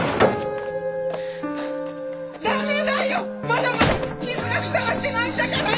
まだまだ傷が塞がってないんだから！